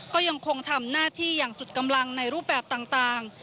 ก็ยังคงทำหน้าที่อย่างสุดกำลังในรูปแบบต่าง